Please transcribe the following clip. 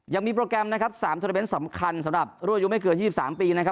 โปรแกรมนะครับ๓โทรเมนต์สำคัญสำหรับรุ่นอายุไม่เกิน๒๓ปีนะครับ